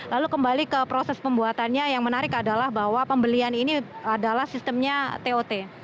lalu kembali ke proses pembuatannya yang menarik adalah bahwa pembelian ini adalah sistemnya tot